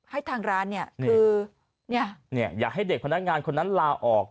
ให้ทางร้านเนี่ยคืออย่าเนี่ยค่ะอยากให้เด็กคนด้านงานคนนั้นล่าออก